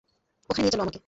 ওখানে নিয়ে চল আমাকে।